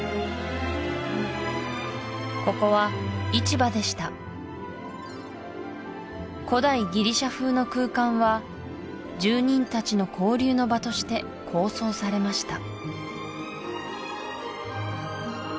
ここは市場でした古代ギリシャ風の空間は住人たちの交流の場として構想されました